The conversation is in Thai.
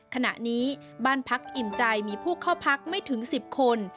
ขณะนี้บ้านพักอิ่มใจมีผู้เข้าพักไม่ถึง๑๐คน